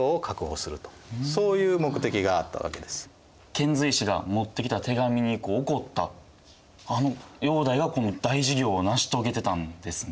遣隋使が持ってきた手紙に怒ったあの煬帝がこの大事業を成し遂げてたんですね。